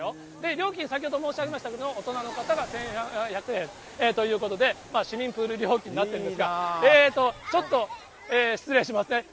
料金、先ほど申し上げましたけれども、大人の方が１４００円ということで、市民プール料金になってるんですが、ちょっと失礼しますね。